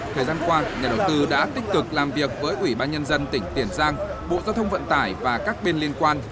thời gian qua nhà đầu tư đã tích cực làm việc với ủy ban nhân dân tỉnh tiền giang bộ giao thông vận tải và các bên liên quan